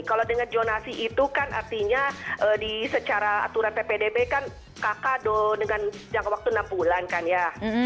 kalau dengan zonasi itu kan artinya secara aturan ppdb kan kakak dong dengan jangka waktu enam bulan kan ya